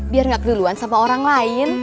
biar gak keduluan sama orang lain